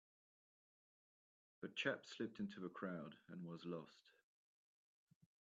The chap slipped into the crowd and was lost.